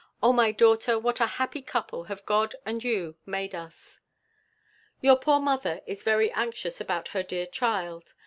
O my daughter, what a happy couple have God and you made us! Your poor mother is very anxious about her dear child.